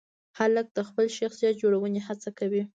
هلک د خپل شخصیت جوړونې هڅه کوي.